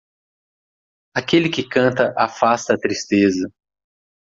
Aquele que canta afasta a tristeza.